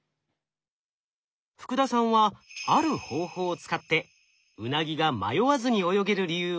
福田さんはある方法を使ってウナギが迷わずに泳げる理由を突き止めました。